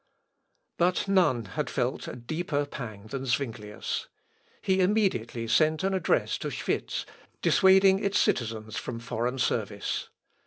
But none had felt a deeper pang than Zuinglius. He immediately sent an address to Schwitz dissuading its citizens from foreign service.